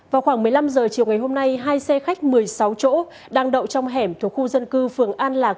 vào khoảng một mươi năm h chiều ngày hôm nay hai xe khách một mươi sáu chỗ đang đậu trong hẻm thuộc khu dân cư phường an lạc